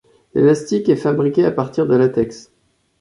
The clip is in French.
L'élastique est fabriqué à partir de latex.